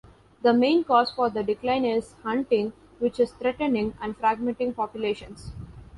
The main cause for the decline is hunting which is threatening and fragmenting populations.